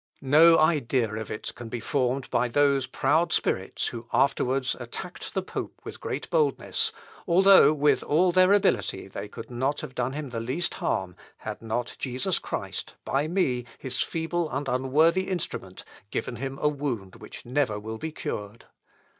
No idea of it can be formed by those proud spirits who afterwards attacked the pope with great boldness, although with all their ability they could not have done him the least harm, had not Jesus Christ, by me his feeble and unworthy instrument, given him a wound which never will be cured.